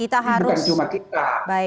itu bukan cuma kita